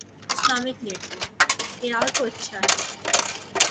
Islamic NATO: خیال تو اچھا ہے۔